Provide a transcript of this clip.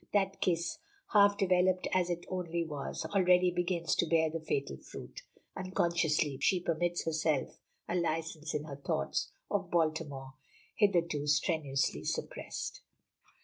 That kiss, half developed as it only was, already begins to bear fatal fruit. Unconsciously she permits herself a license in her thoughts of Baltimore hitherto strenuously suppressed.